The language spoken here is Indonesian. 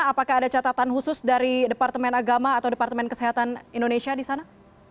apakah ada catatan khusus dari departemen agama atau departemen kesehatan indonesia di sana